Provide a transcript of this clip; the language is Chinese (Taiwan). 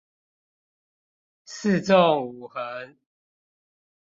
四縱五橫